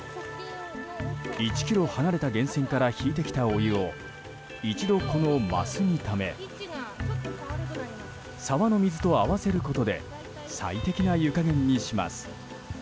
１ｋｍ離れた源泉から引いてきたお湯を一度、この升にため沢の水と合わせることで最適な湯加減にします。